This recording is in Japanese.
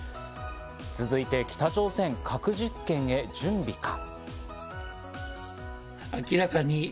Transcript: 続いて北朝鮮、核実験へ準備か？